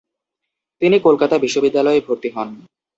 তিনি কলকাতা বিশ্ববিদ্যালয়ে ভর্তি হন।